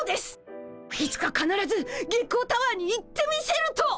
いつかかならず月光タワーに行ってみせると！